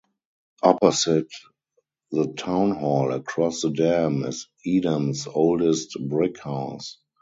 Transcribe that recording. Opposite the Town hall, across the dam, is Edam's oldest brick house.